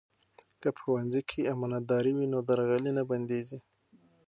که په ښوونځي کې امانتداري وي، نو درغلي بندېږي.